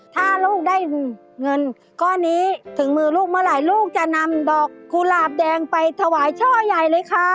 ถ้าลูกได้เงินก้อนนี้ถึงมือลูกเมื่อไหร่ลูกจะนำดอกกุหลาบแดงไปถวายช่อใหญ่เลยค่ะ